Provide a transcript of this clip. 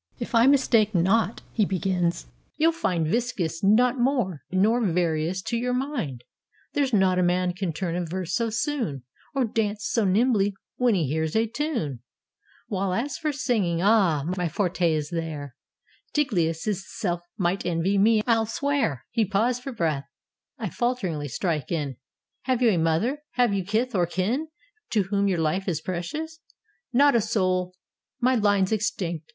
"If I mistake not," he begins, "you'll find Viscus not more, nor Varius, to your mind: There's not a man can turn a verse so soon, Or dance so nimbly when he hears a tune: While, as for singing — ah ! my forte is there : Tigellius' self might envy me, I '11 swear." He paused for breath : I f alteringly strike in : "Have you a mother? have you kith or kin To whom your life is precious?" "Not a soul: My line's extinct!